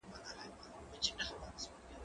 ايا ته واښه راوړې!.